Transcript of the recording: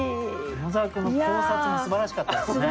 桃沢君の考察もすばらしかったですね。